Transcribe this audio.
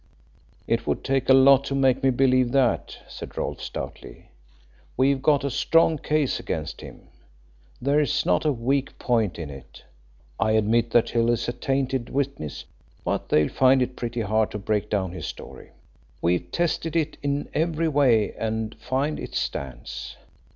"It would take a lot to make me believe that," said Rolfe stoutly. "We've got a strong case against him there is not a weak point in it. I admit that Hill is a tainted witness, but they'll find it pretty hard to break down his story. We've tested it in every way and find it stands.